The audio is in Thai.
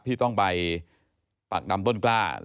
ที่ต้องไปปักดำต้นกล้า